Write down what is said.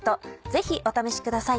ぜひお試しください。